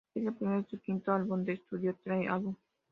Es el primero de su quinto álbum de estudio "The Album".